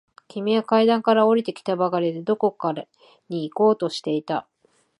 君は階段から下りてきたばかりで、どこかに行こうとしていた。